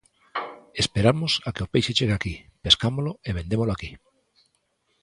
Esperamos a que o peixe chegue aquí, pescámolo, e vendémolo aquí.